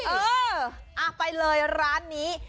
เออไปเลยร้านนี้